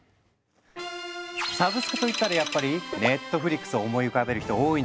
サブスクといったらやっぱりＮＥＴＦＬＩＸを思い浮かべる人多いんじゃないですか？